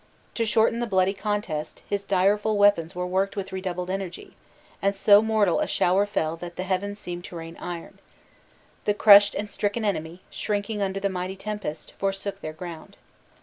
To shorten the bloody contest, his direful weapons were worked with redoubled energy; and so mortal a shower fell that the heavens seemed to rain iron. The crushed and stricken enemy, shrinking under the mighty tempest, forsook their ground.